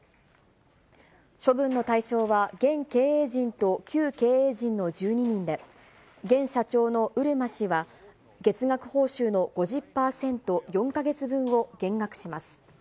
処分の対象は現経営陣と旧経営陣の１２人で、現社長の漆間氏は、月額報酬の５０％、４か月分を減額します。